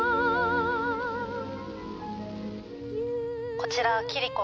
☎こちらキリコ。